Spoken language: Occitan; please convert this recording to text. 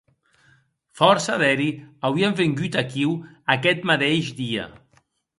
Fòrça d'eri auien vengut aquiu aqueth madeish dia.